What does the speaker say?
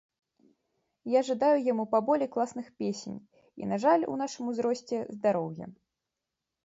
Я жадаю яму паболей класных песень, і на жаль, у нашым узросце, здароўя.